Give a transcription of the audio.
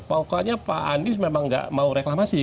pokoknya pak andis memang tidak mau reklamasi